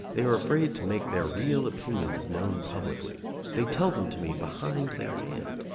They are afraid to make their real opinions known publicly; they tell them to me behind their hand.